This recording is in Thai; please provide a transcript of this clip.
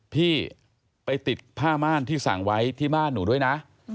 พี่ไปติดผ้าม่านที่สั่งไว้ที่บ้านหนูด้วยนะ